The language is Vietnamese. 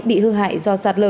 bị hư hại do giặt lở